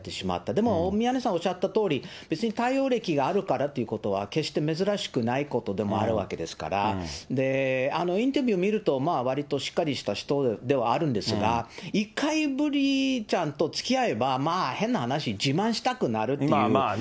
でも宮根さんおっしゃったとおり、別に逮捕歴があるからってことは、決して珍しくないことでもあるわけですから、インタビュー見ると、わりとしっかりした人ではあるんですが、１回、ブリちゃんとつきあえば、まあ変な話、自慢したくなるっていう。